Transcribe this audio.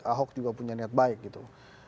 ahok juga punya niat baik gitu